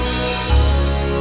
aku akan melakukannya